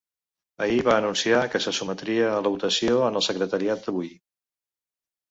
Ahir va anunciar que se sotmetria a la votació en el secretariat d’avui.